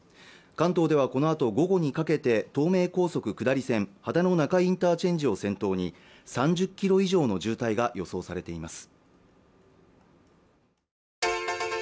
関東ではこのあと午後にかけて東名高速下り線秦野中井インターチェンジを先頭に３０キロ以上の渋滞が予想されています